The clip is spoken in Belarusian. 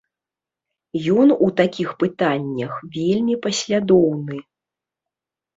Ён у такіх пытаннях вельмі паслядоўны.